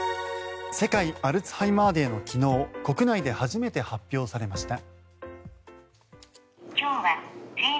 世界アルツハイマーデーの昨日国内で初めて発表されました。